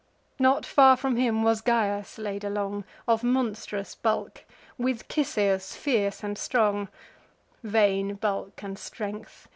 Not far from him was Gyas laid along, Of monstrous bulk; with Cisseus fierce and strong: Vain bulk and strength!